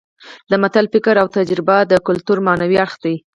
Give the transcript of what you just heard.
د متل فکر او تجربه د کولتور معنوي اړخ دی